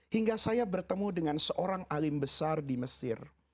hingga saya bertemu dengan seorang alim besar di mesir